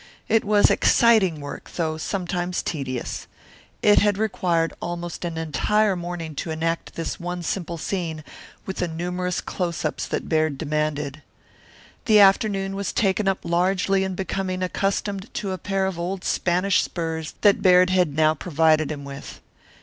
It was exciting work, though sometimes tedious. It had required almost an entire morning to enact this one simple scene, with the numerous close ups that Baird demanded. The afternoon was taken up largely in becoming accustomed to a pair of old Spanish spurs that Baird now provided him with.